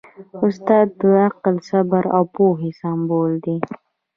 استاد د عقل، صبر او پوهې سمبول دی.